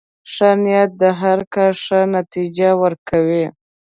ښه نیت د هر کار ښه نتیجه ورکوي.